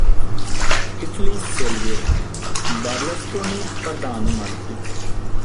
Italy Silvio Berlusconi ਪ੍ਰਧਾਨ ਮੰਤਰੀ